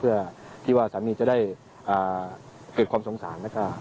เพื่อที่ว่าสามีจะได้เก็บความสงสารนะครับ